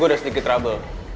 gue ada sedikit trouble